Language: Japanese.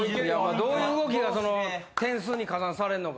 どういう動きが点数に加算されるのか。